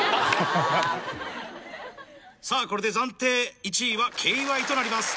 さぁこれで暫定１位はけいわいとなります。